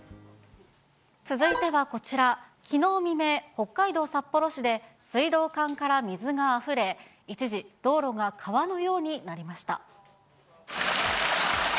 続いてはこちら、きのう未明、北海道札幌市で、水道管から水があふれ、一時、道路が川のようになりました。